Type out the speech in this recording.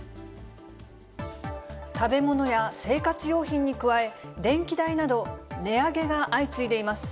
食べ物や生活用品に加え、電気代など、値上げが相次いでいます。